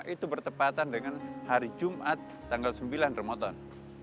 itu bertepatan dengan hari jumat tanggal sembilan ramadan